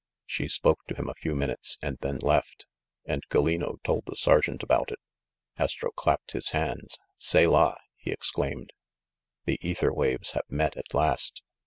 She spoke to him a few minutes, and then left ; and Gallino told the sergeant about it." Astro clapped his hands. "Selah!" he exclaimed. "The ether waves have met at last